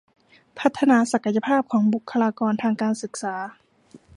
พัฒนาศักยภาพของบุคลากรทางการศึกษา